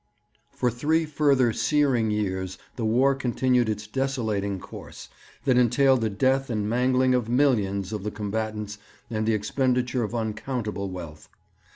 For three further searing years the war continued its desolating course, that entailed the death and mangling of millions of the combatants and the expenditure of uncountable wealth.